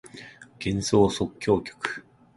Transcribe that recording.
幻想即興曲